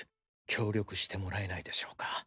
協力してもらえないでしょうか？